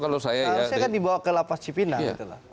kalau saya kan dibawa ke lapas cipinan gitu loh